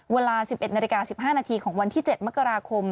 เวลา๑๑นาฬิกา๑๕นาทีของวันที่๗มกราคม